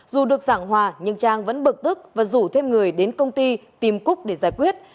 dù được giảng hòa nhưng trang vẫn bực tức và rủ thêm người đến công ty tìm cúc để giải quyết